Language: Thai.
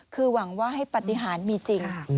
คือหวังว่าให้ปฏิหารมีจริง